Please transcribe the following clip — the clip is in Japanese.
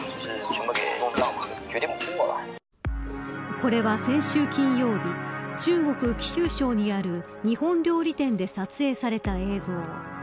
これは先週金曜日中国・貴州省にある日本料理店で撮影された映像。